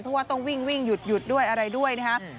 เพราะว่าต้องวิ่งหยุดด้วยอะไรด้วยนะครับ